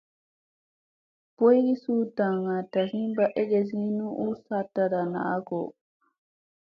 Boygi suu daŋga tasi ɓaa egesi u saɗ taɗa naa go.